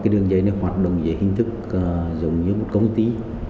đường dây này hoạt động dưới hình thức giống như một công ty